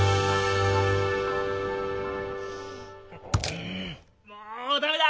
うんもうダメだ！